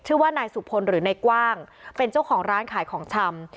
ชื่อว่านายสุพลหรือนายกว้างเป็นเจ้าของร้านขายของชำ